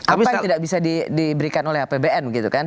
apa yang tidak bisa diberikan oleh apbn begitu kan